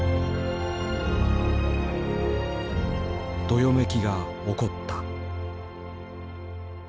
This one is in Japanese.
どよめきが起こった。